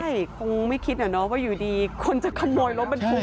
ใช่คงไม่คิดนะว่าอยู่ดีคนจะขโมยรถบรรทุก